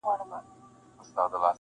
د روښان له خلوتونو د ایپي له مورچلونو -